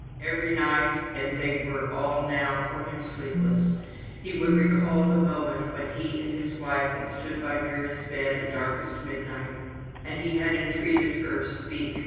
Every night—and they were all now for him sleepless—he would recall the moment when he and his wife had stood by Vera's bed at darkest midnight, and he had entreated her "Speak!"